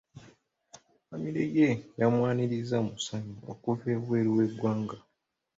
Famire ye yamwaniriza mu ssanyu okuva ebweru w'eggwanga.